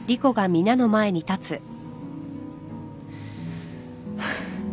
ハァ。